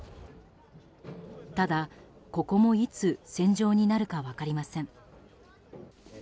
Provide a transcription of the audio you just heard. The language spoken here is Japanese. ただ、ここもいつ戦場になるか分かりません。